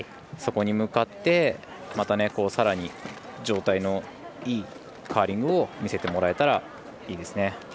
そこに向かって、またさらに状態のいいカーリングを見せてもらえたらいいですね。